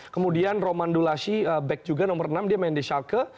kemudian romandu lassi back juga nomor enam dia main di schalke